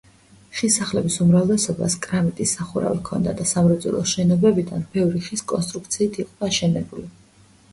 ხის სახლების უმრავლესობას კრამიტის სახურავი ჰქონდა და სამრეწველო შენობებიდან ბევრი ხის კონსტრუქციით იყო აშენებული.